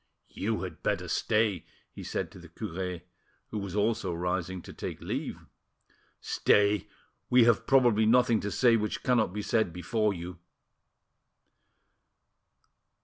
"You had better stay," he said to the cure, who was also rising to take leave. "Stay; we have probably nothing to say which cannot be said before you."